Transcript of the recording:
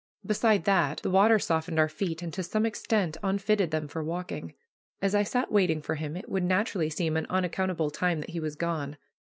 Beside that, the water softened our feet, and to some extent unfitted them for walking. As I sat waiting for him it would naturally seem an unaccountable time that he was gone.